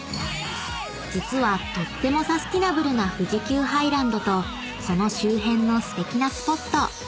［実はとってもサスティナブルな富士急ハイランドとその周辺のすてきなスポット］